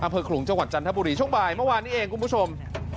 ขลุงจังหวัดจันทบุรีช่วงบ่ายเมื่อวานนี้เองคุณผู้ชม